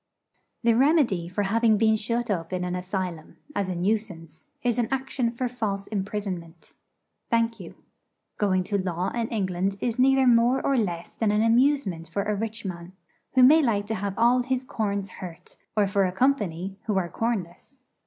The remedy for having been shut up in an asylum, as a nuisance, is an action for false imprisonment. Thank you. Going to law in England is neither more or less than an amusement for a rich man, who may like to have all his corns hurt, or for a 'company,' who are cornless.